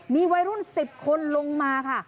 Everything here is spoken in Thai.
มีวัยรุ่น๑๐คนลงมาค่ะ